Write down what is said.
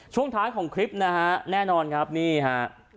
ช่วงท้ายของคลิปนะฮะแน่นอนครับนี่ฮะ